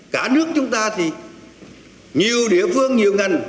cả nước chúng ta thì nhiều địa phương nhiều ngành